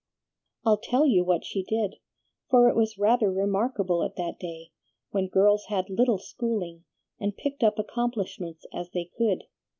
"I'll tell you what she did, for it was rather remarkable at that day, when girls had little schooling, and picked up accomplishments as they could.